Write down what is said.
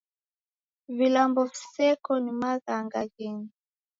Vilambo viseko ni maghanga gheni.